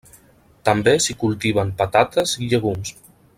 També s'hi cultiven patates i llegums.